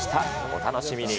お楽しみに。